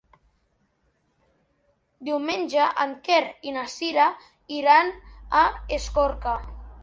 Diumenge en Quer i na Sira iran a Escorca.